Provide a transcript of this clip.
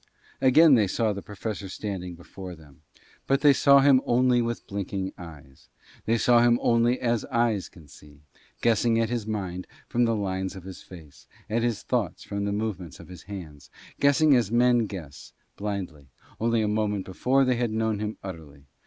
Again they saw the Professor standing before them. But they saw him only with blinking eyes, they saw him only as eyes can see, guessing at his mind from the lines of his face, at his thoughts from the movements of his hands, guessing as men guess, blindly: only a moment before they had known him utterly.